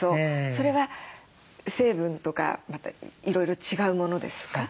それは成分とかいろいろ違うものですか？